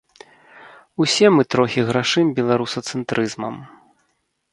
Усе мы трохі грашым беларусацэнтрызмам.